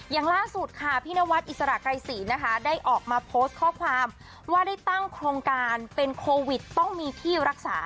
อย่างล่าสุดค่ะพี่นวัดอิสระไกรศีลนะคะได้ออกมาโพสต์ข้อความว่าได้ตั้งโครงการเป็นโควิดต้องมีที่รักษา